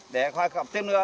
để khai quật tiếp nữa